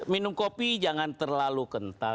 minum kopi jangan terlalu kental